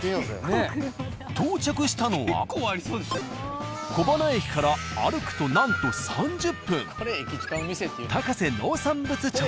到着したのは小塙駅から歩くとなんと３０分。